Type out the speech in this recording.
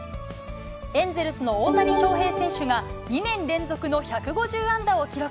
エンゼルスの大谷翔平選手が２年連続の１５０安打を記録。